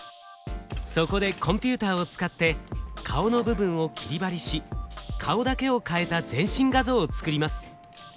そこでコンピューターを使って顔の部分を切り貼りし顔だけを替えた全身画像を作ります。